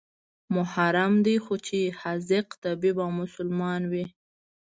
محرم دى خو چې حاذق طبيب او مسلمان وي.